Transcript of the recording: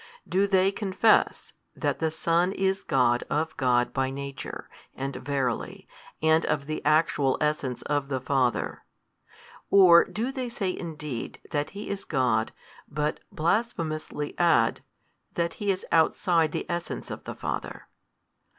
Do they confess that the Son is God of God by Nature and verily and of the actual Essence of the Father; or do they say indeed that He is God, but blasphemously add, that He is |249 outside of the Essence of the Father?